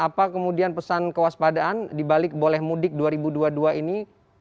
apa kemudian pesan kewaspadaan dibalik boleh mudik dua ribu dua puluh dua ini